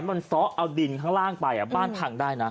มันซ้อเอาดินข้างล่างไปบ้านพังได้นะ